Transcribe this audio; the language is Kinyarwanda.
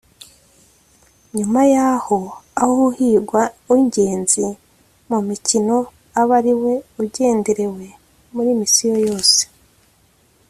nyuma yaho aho uhigwa w’ingenzi mu mukino aba ariwe ugenderewe muri misiyo yose